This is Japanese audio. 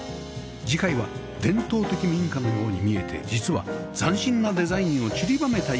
次回は伝統的民家のように見えて実は斬新なデザインをちりばめた家